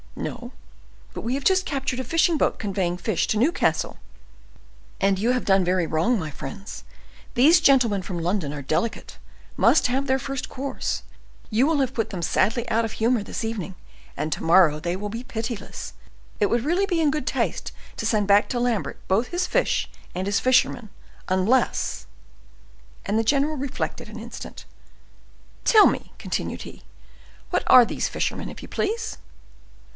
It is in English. "No; but we have just captured a fishing boat conveying fish to Newcastle." "And you have done very wrong, my friends. These gentlemen from London are delicate, must have their first course; you will put them sadly out of humor this evening, and to morrow they will be pitiless. It would really be in good taste to send back to Lambert both his fish and his fishermen, unless—" and the general reflected an instant. "Tell me," continued he, "what are these fishermen, if you please?"